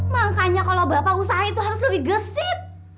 makanya kalau bapak usaha itu harus lebih gesit